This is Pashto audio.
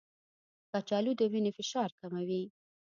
کچالو د وینې فشار کموي.